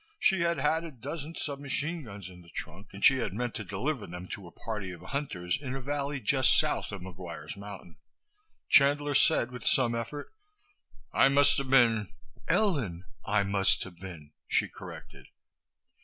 She had had a dozen sub machine guns in the trunk and she had meant to deliver them to a party of hunters in a valley just south of McGuire's Mountain. Chandler said, with some effort, "I must have been " "Ellen, I must have been," she corrected.